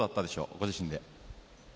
ご自身で。